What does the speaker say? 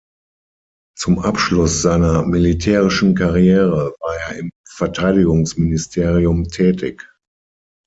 Zum Abschluss seiner militärischen Karriere war er im Verteidigungsministerium tätig.